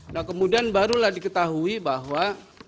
nah kemudian barulah diketahui bahwa